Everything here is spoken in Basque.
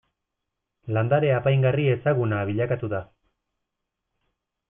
Landare apaingarri ezaguna bilakatu da.